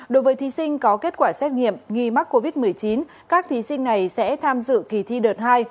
đối với thí sinh có kết quả xét nghiệm nghi mắc covid một mươi chín các thí sinh này sẽ tham dự kỳ thi đợt hai